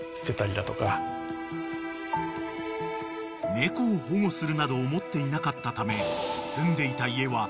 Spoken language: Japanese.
［猫を保護するなど思っていなかったため］